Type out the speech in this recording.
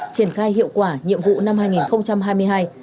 triển khai hiệu quả nhiệm vụ năm hai nghìn hai mươi hai